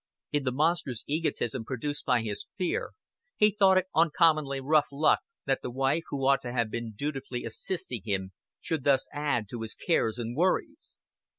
In the monstrous egotism produced by his fear, he thought it uncommonly rough luck that the wife who ought to have been dutifully assisting him should thus add to his cares and worries.